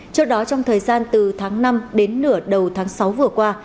trước đó trong thời gian từ tháng năm đến nửa đầu tháng sáu vừa qua